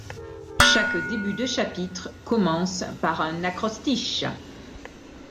Chaque début de chapitre commence par un acrostiche.